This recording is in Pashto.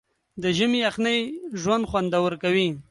د ژمي یخنۍ ژوند خوندور کوي.